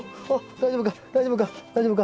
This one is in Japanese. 大丈夫か？